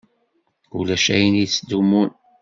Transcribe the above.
Ulac ayen yettdumun.